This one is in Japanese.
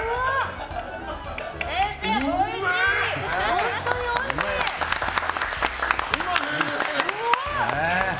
本当においしい！